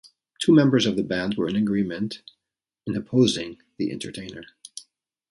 Two members of the board were in agreement in opposing "The Entertainer".